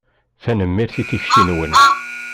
Tanemmirt i tikci-nwen.